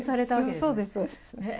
そうです、そうです。